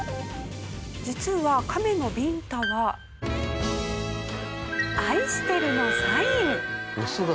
実はカメのビンタは愛してるのサイン。